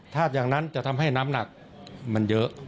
ถ้าอย่างนั้นจะทำให้น้ำหนักมันเยอะ